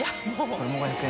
これも５００円。